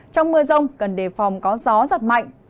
trong mưa rông cần đề phòng có gió giật mạnh